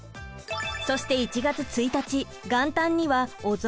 そして１月１日元旦にはお雑煮。